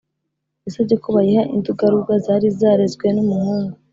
yasabye ko bayiha indugaruga zari zarezwe n umuhungu